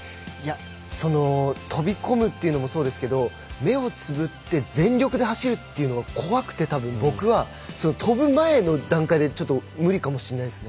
その跳び込むというのもそうですけれど目をつぶって全力で走るのも怖くてたぶん僕は跳ぶ前の段階でちょっと無理かもしれないですね。